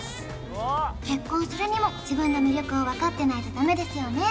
結婚するにも自分の魅力を分かってないとダメですよね？